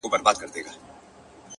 د دوى دا هيله ده چي;